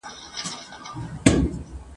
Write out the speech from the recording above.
مخامخ سوله په جنګ کي دوه پوځونه !.